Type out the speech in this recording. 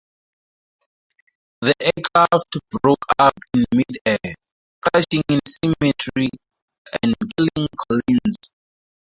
The aircraft broke up in midair, crashing in a cemetery and killing Collins.